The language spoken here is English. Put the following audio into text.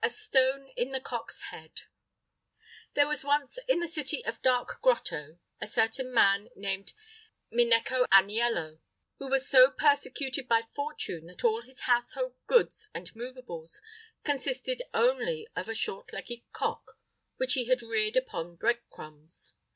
The Stone in the Cock's Head There was once in the City of Dark Grotto a certain man named Minecco Aniello, who was so persecuted by fortune that all his household goods and movables consisted only of a short legged cock, which he had reared upon bread crumbs.